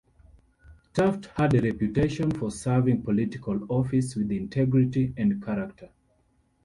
Taft had a reputation for serving political office with integrity and character.